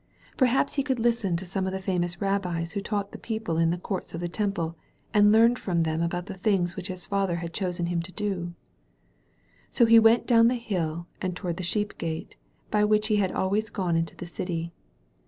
Peihaps he could listen to some of the famous rabbis who taught the people in the courts of the Temple and learn from them about the things which his Father had chosen him to do. So he went down the hill and toward the Sheep Gate by which he had always gone into the city.